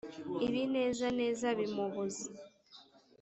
ibinezaneza bimubuza